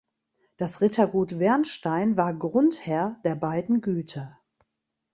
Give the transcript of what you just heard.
Das Rittergut Wernstein war Grundherr der beiden Güter.